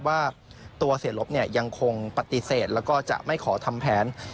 ว่าตัวเสียลบยังคงปฏิเสธแล้วก็จะไม่ขอทำแผน